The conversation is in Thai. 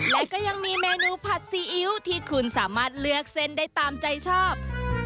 และก็ยังมีเมนูผัดซีอิ๊วที่คุณสามารถเลือกเส้นได้ตามใจชอบ